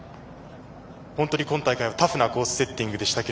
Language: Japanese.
本当に今大会はタフなコースセッティングでした。